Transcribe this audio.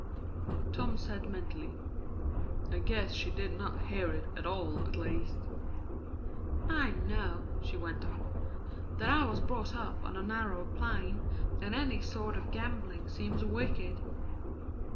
Tom said mentally: "I guess she did not hear it all, at least." "I know," she went on, "that I was brought up on a narrow plane, and any sort of gambling seems wicked."